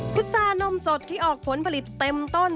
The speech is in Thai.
พุษานมสดที่ออกผลผลิตเต็มต้น